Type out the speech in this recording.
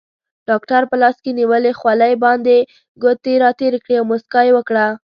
ډاکټر په لاس کې نیولې خولۍ باندې ګوتې راتېرې کړې او موسکا یې وکړه.